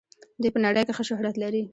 دوی په نړۍ کې ښه شهرت لري.